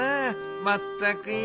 まったくよ。